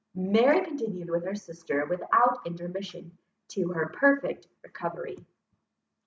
Mary continued with her sister without intermission, to her perfect recovery.